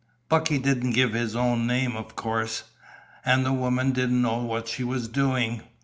Bucky didn't give his own name, of course. An' the woman didn't know what she was doing.